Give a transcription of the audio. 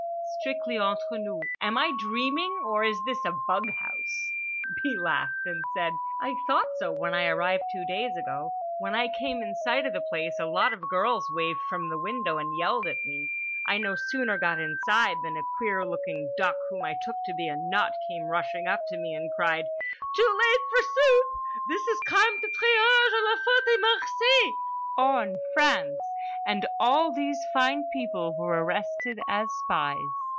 "Strictly entre nous: am I dreaming, or is this a bug house?" B. laughed, and said: "I thought so when I arrived two days ago. When I came in sight of the place a lot of girls waved from the window and yelled at me. I no sooner got inside than a queer looking duck whom I took to be a nut came rushing up to me and cried: 'Too late for soup!'—This is Campe de Triage de la Ferté Macé, Orne, France, and all these fine people were arrested as spies.